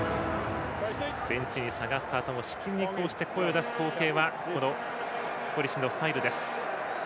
ベンチに下がったあともしきりに声を出す光景がコリシのスタイルです。